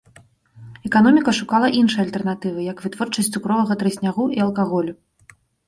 Эканоміка шукала іншыя альтэрнатывы, як вытворчасць цукровага трыснягу і алкаголю.